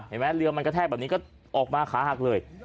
เรือมันกระแทกแบบนี้ก็ออกมาขาหักเลย